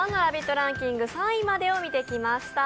ランキング３位までを見てきました。